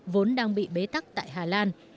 vốn đang bị bế tắc tại hà lan